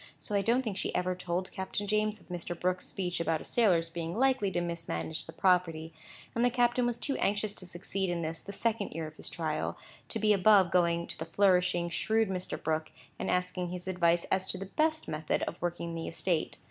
So I don't think she ever told Captain James of Mr. Brooke's speech about a sailor's being likely to mismanage the property; and the captain was too anxious to succeed in this, the second year of his trial, to be above going to the flourishing, shrewd Mr. Brooke, and asking for his advice as to the best method of working the estate.